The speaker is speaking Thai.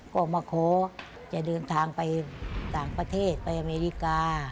ก็มาขอจะเดินทางไปต่างประเทศไปอเมริกา